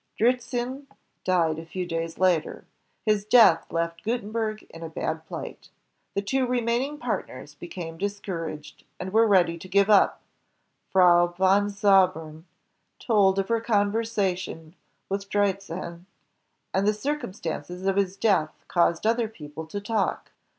Dritzehen died a few days later. His death left Guten berg in a bad plight. The two remaining partners be came discouraged and were ready to give up. Frau von Zabern told of her conversation with Dritzehen, and the circumstances of his death caused other people to talk.